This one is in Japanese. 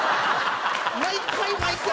毎回毎回！